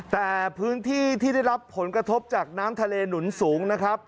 แต่พื้นที่ที่ได้รับผลกระทบจากน้ำทะเลหนุนสูงนะครับ